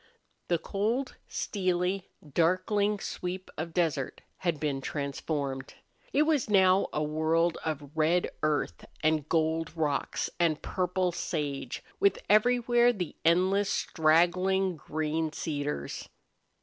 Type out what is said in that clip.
The cold, steely, darkling sweep of desert had been transformed. It was now a world of red earth and gold rocks and purple sage, with everywhere the endless straggling green cedars.